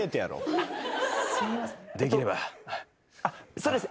そうですね。